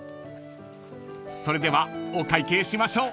［それではお会計しましょう］